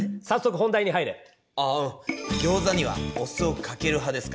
ギョーザにはおすをかける派ですか？